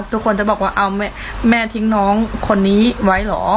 ทุกคนจะบอกว่าเอาแม่ทิ้งน้องคนนี้ไว้เหรอ